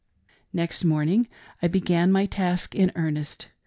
IX Next morning, I began my task in earnest.